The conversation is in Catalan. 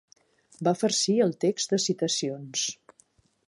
Va farcir el text de citacions.